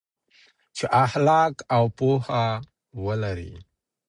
چې اخلاق او پوهه ولري.